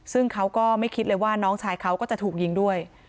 ซึ่งเขาก็ไม่คิดเลยว่าน้องชายเขาก็จะถูกยิงด้วย